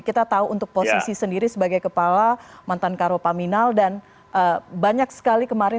kita tahu untuk posisi sendiri sebagai kepala mantan karo paminal dan banyak sekali kemarin